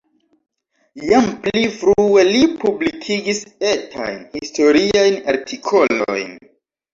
Jam pli frue li publikigis etajn historiajn artikolojn.